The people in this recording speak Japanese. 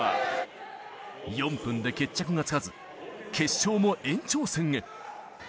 ４分で決着がつかず、決勝も延長戦へ。